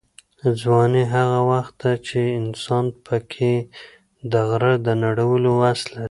ځواني هغه وخت ده چې انسان پکې د غره د نړولو وس لري.